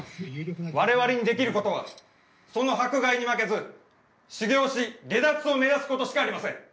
我々にできることはその迫害に負けず修行し解脱を目指すことしかありません。